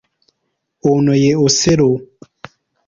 Ono ye Osero.